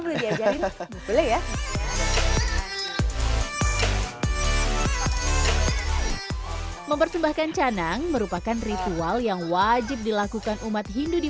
boleh diajarin boleh ya mempersembahkan canang merupakan ritual yang wajib dilakukan umat hindu di